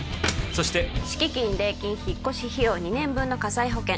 そして敷金礼金引っ越し費用２年分の火災保険